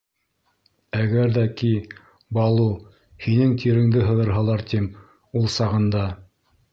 Әгәр ҙә ки, Балу, һинең тиреңде һыҙырһалар, тим, ул сағында...